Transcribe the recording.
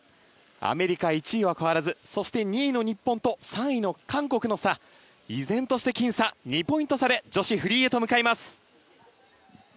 アメリカ、１位は変わらずそして２位の日本と３位の韓国の差は依然として僅差２ポイント差で女子フリーへと向かいます。